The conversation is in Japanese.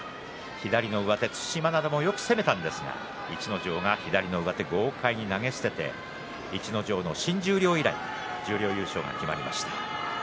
左の上手、對馬洋もよく攻めたんですが逸ノ城が左の上手、豪快に投げ捨てて新十両以来の十両優勝が決まりました。